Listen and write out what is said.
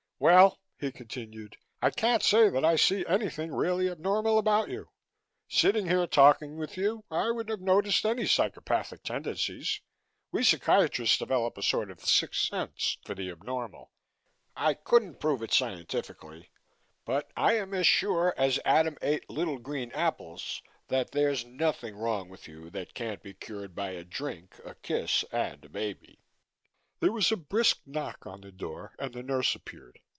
"Well," he continued, "I can't say that I see anything really abnormal about you. Sitting here, talking with you, I would have noticed any psychopathic tendencies. We psychiatrists develop a sort of sixth sense for the abnormal. I couldn't prove it scientifically, but I am sure as Adam ate little green apples that there's nothing wrong with you that can't be cured by a drink, a kiss and a baby." There was a brisk knock on the door and the nurse appeared.